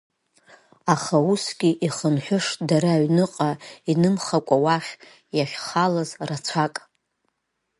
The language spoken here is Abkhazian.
Аха усгьы ихынҳәышт дара аҩныҟа, инымхакәа уахь, иахьхалаз, рацәак.